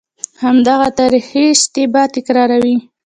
همدغه تاریخي اشتباه تکراروي.